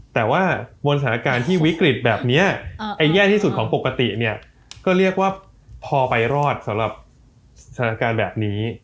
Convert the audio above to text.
แต่ว่าบนสถานการณ์ที่วิกฤตแบบนี้แย่ที่สุดของปกติเนี่ยก็เรียกว่าพอไปรอดสำหรับสถานการณ์แบบนี้